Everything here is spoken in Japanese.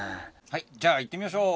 じゃあいってみましょう！